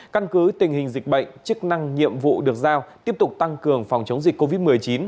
căn cứ tình hình dịch bệnh chức năng nhiệm vụ được giao tiếp tục tăng cường phòng chống dịch covid một mươi chín